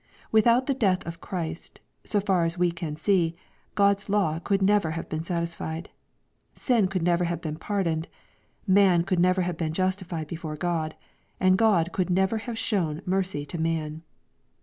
Without the death of Christ, so far as we can see, God's law could never have been satisfied, — sin could never have been pardoned, — man could never have been justified before God, — and God could never have shown mercy to man.